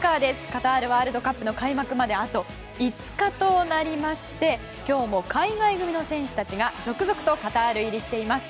カタールワールドカップ開幕まであと５日となりまして今日も海外組の選手たちが続々カタール入りしています。